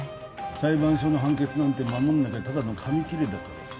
裁判所の判決なんて守んなきゃただの紙切れだからさ。